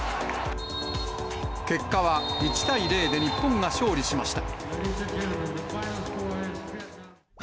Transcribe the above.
結果は１対０で日本が勝利しました。